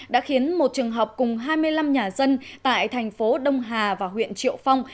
đã khiến một trường học cùng hai mươi năm nhà dân tại thành phố đông hà và huyện triệu phong